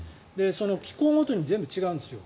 気候ごとに全部違うんですよ。